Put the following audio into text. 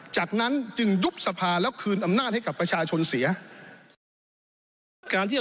จากนั้นจึงยุบสภาและคืนอำนาจให้กับประชาชนเสีย